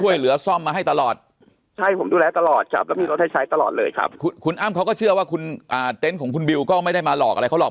ยืนยันครับยืนยันเราก็ช่วยเหลือซ่อมมาให้ตลอด